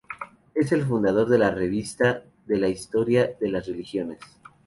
Es el fundador de la "Revista de la historia de las religiones".